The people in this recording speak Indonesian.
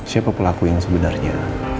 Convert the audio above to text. siapa pelakunya sebenarnya